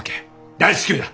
大至急だ！